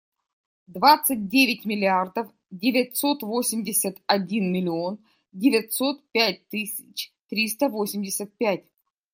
Двадцать девять миллиардов девятьсот восемьдесят один миллион девятьсот пять тысяч триста восемьдесят пять.